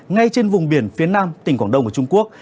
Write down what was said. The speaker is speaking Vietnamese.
ngay trên vùng biển phía nam tỉnh quảng đông của trung quốc